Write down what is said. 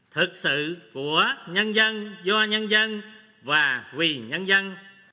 thực sự của nhân dân do nhân dân và vì nhân dân